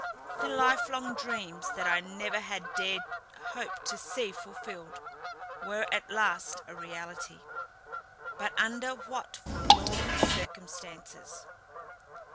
The lifelong dreams that I never had dared hope to see fulfilled were at last a reality—but under what forlorn circumstances!